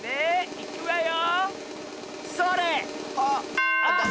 いくわよ！